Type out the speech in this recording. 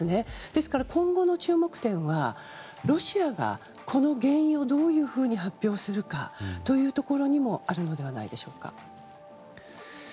ですから、今後の注目点はロシアがこの原因をどういうふうに発表するかというところにもあるのではないでしょうか。